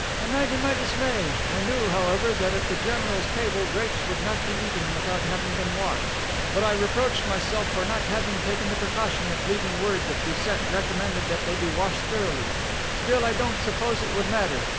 Imagine my dismay. I knew, however, that at the general's table, grapes would not be eaten without having been washed, but I reproached myself for not having taken the precaution of leaving word that Doucet recommend that they be washed thoroughly. Still, I don't suppose it would matter.